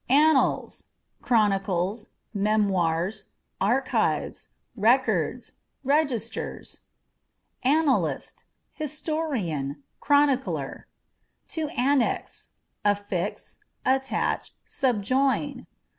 Annals â€" chronicles, memoirs, archives, records, registers. Annalist â€" historian, chronicler. To Annex â€" affix, attach, subjoin.